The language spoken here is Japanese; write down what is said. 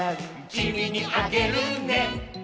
「きみにあげるね」